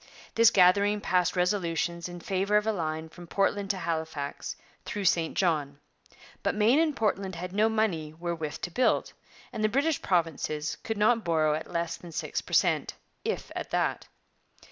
This gathering passed resolutions in favour of a line from Portland to Halifax through St John. But Maine and Portland had no money wherewith to build, and the British provinces could not borrow at less than six per cent, if at that.